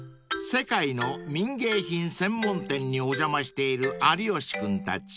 ［世界の民芸品専門店にお邪魔している有吉君たち］